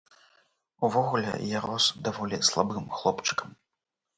Увогуле, я рос даволі слабым хлопчыкам.